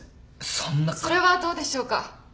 それはどうでしょうか？